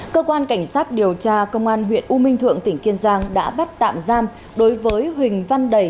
cơ quan cảnh sát điều tra công an huyện u minh thượng tỉnh kiên giang đã bắt tạm giam đối với huỳnh văn đầy